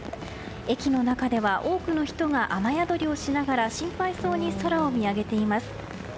駅の中では多くの人が雨宿りをしながら心配そうに空を見上げています。